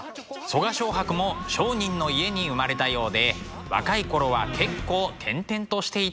我蕭白も商人の家に生まれたようで若い頃は結構転々としていたみたいです。